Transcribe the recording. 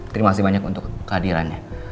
terima kasih banyak untuk kehadirannya